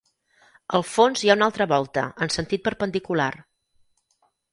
Al fons hi ha una altra volta en sentit perpendicular.